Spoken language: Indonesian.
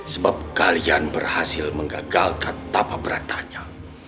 sebab kalian berhasil menggagalkan tapa beratanya